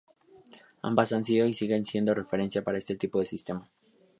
Ambas han sido y siguen siendo referencia para este tipo de sistema.